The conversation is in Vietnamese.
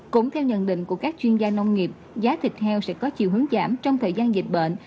cũng theo nhận định của các chuyên gia nông nghiệp giá thịt heo sẽ có chiều hướng giảm trong thời gian dịch bệnh